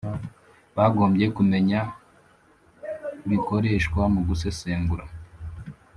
Bagombye kumenya bikoreshwa mu gusesengura.